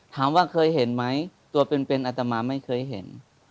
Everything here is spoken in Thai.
ถามว่าเคยเห็นไหมตัวเป็นอัตมาไม่เคยเห็น